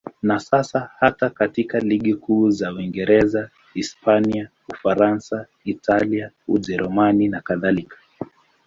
Na sasa hata katika ligi kuu za Uingereza, Hispania, Ufaransa, Italia, Ujerumani nakadhalika.